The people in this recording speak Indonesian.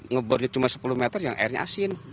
ngebornya cuma sepuluh meter yang airnya asin